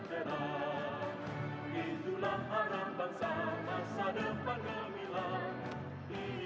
ketua presiden indonesia ketua ketua pertama ketua itahari ketua